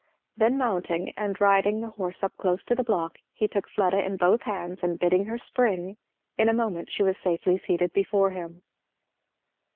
Then mounting, and riding the horse up close to the block, he took Fleda in both hands and bidding her spring, in a moment she was safely seated before him.